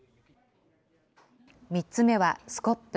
３つ目はスコップ。